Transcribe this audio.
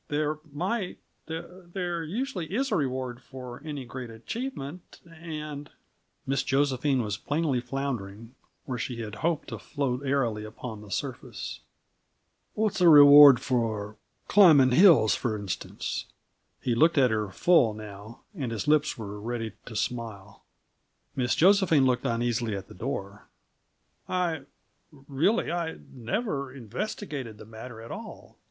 "There might there usually is a reward for any great achievement and " Miss Josephine was plainly floundering where she had hoped to float airily upon the surface. "What's the reward for climbing hills, for instance?" He looked at her full, now, and his lips were ready to smile. Miss Josephine looked uneasily at the door. "I really, I never investigated the matter at all."